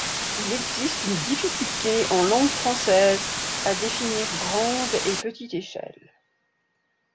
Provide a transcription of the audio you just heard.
Il existe une difficulté en langue française à définir grande et petite échelle.